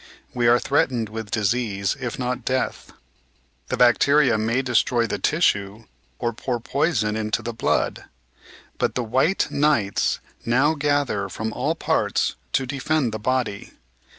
We are threatened with disease, if not death. The bacteria may destroy the tissue, or pour poison into the blood. But the "white knights" now gather from all parts to defend the body.